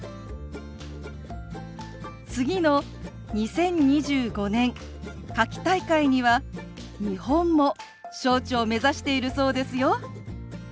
次の２０２５年夏季大会には日本も招致を目指しているそうですよ。